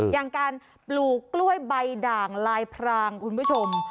อย่างการปลูกกล้วยใบด่างลายพรางคุณผู้ชม